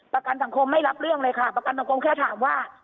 ประกันสังคมไม่รับเรื่องเลยค่ะประกันสังคมแค่ถามว่า